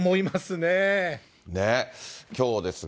ね、きょうですが。